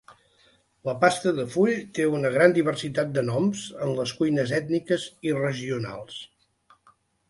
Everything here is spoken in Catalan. La pasta de full té una gran diversitat de noms en les cuines ètniques i regionals.